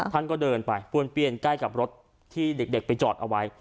ท่านก็เดินไปป้วนเปี้ยนใกล้กับรถที่เด็กไปจอดเอาไว้